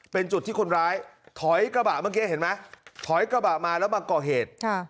เป็นจุดที่คนร้ายถอยกระบะเมื่อกี้เห็นไหมถอยกระบะมาแล้วมาก่อเหตุ